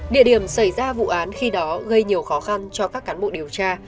địa điểm xảy ra vụ án khi đó gây nhiều khó khăn cho các cán bộ điều tra